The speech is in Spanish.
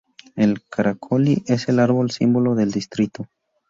El "Caracolí" es el árbol símbolo del distrito.